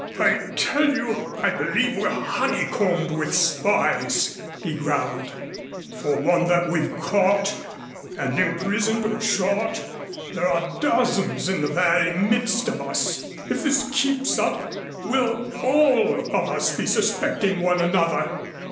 "I tell you I believe we're honeycombed with spies," he growled. "For one that we've caught and imprisoned or shot, there are dozens in the very midst of us. If this thing keeps up we'll all of us be suspecting one another.